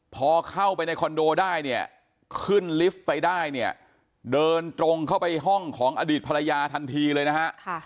พอเข้าไปในคอนโดได้เนี่ยขึ้นลิฟต์ไปได้เนี่ยเดินตรงเข้าไปห้องของอดีตภรรยาทันทีเลยนะฮะ